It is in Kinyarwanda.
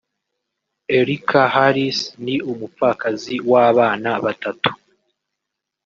Erica Harris ni umupfakazi w’abana batatu